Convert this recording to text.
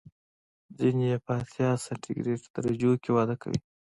ځینې یې په اتیا سانتي ګراد درجو کې وده کوي.